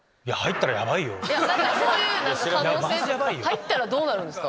入ったらどうなるんすか？